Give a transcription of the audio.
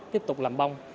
tiếp tục làm bong